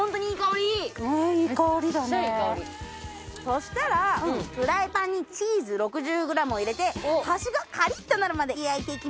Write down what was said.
そしたらフライパンにチーズ６０グラムを入れて端がカリッとなるまで焼いていきます。